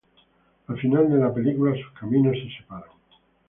Al final de la película sus caminos se separan.